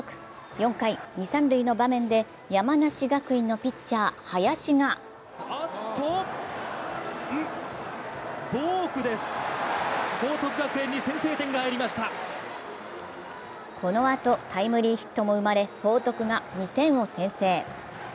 ４回、二・三塁の場面で山梨学院のピッチャー・林がこのあと、タイムリーヒットも生まれ、報徳が２点を先制。